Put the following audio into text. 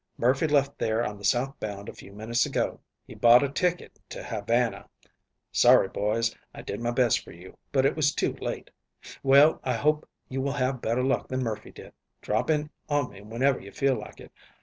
"Murphy left there on the southbound a few minutes ago. He bought a ticket to Havana. Sorry, boys, I did my best for you, but it was too late. Well, I hope you will have better luck than Murphy did. Drop in on me whenever you feel like it.